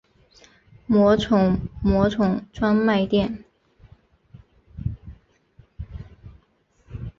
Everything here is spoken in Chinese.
魔宠魔宠专卖店